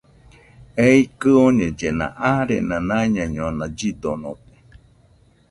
Ei kɨoñellena arena naiñañona llidonote